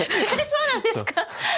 そうなんですか。